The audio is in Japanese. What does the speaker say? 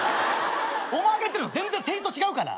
お前が言ってるの全然テイスト違うから。